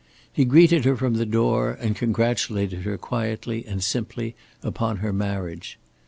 He greeted her from the door, and congratulated her quietly and simply upon her marriage.